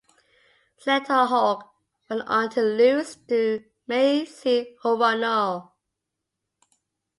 Senator Hogue went on to lose to Mazie Hirono.